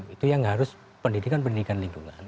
itu yang harus pendidikan pendidikan lingkungan